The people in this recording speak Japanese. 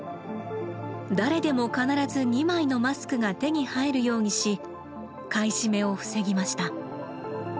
誰でも必ず２枚のマスクが手に入るようにし買い占めを防ぎました。